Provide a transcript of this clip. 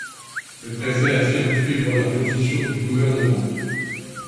Le préfet affirme suivre la position du gouvernement.